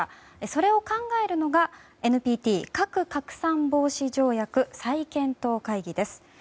それを考えるのがＮＰＴ・核拡散防止条約再検討会議です。